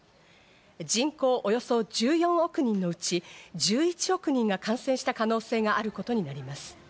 人口およそ１４億人のうち、１１億人が感染した可能性があることになります。